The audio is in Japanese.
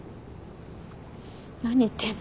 何言ってんの。